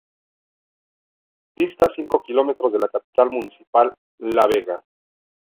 Dista cinco kilómetros de la capital municipal, La Vega.